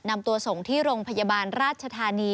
นำตัวส่งที่โรงพยาบาลราชธานี